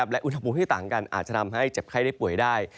และอุณหภูมิที่ต่างกันอาจจะทำให้เจ็บไข้ได้ป่วยได้